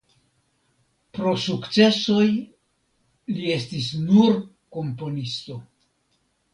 Pro sukcesoj li estis nur komponisto.